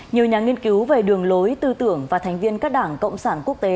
nhiều nhà nghiên cứu về đường lối tư tưởng và thành viên các đảng cộng sản quốc tế